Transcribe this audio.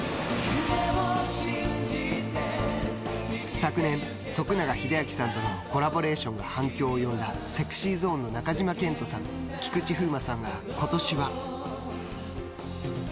昨年、徳永英明さんとのコラボレーションが反響を呼んだＳｅｘｙＺｏｎｅの中島健人さん、菊池風磨さんが今年は。